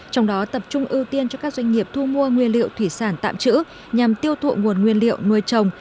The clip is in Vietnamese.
trong đó tập trung ưu tiên cho các doanh nghiệp thu mua nguyên liệu thủy sản tạm trữ nhằm tiêu thụ nguồn nguyên liệu nuôi trồng